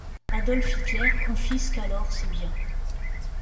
Adolf Hitler confisque alors ses biens.